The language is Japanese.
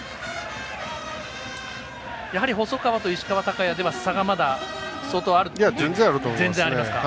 やはり細川と石川昂弥では差が、まだ全然ありますね。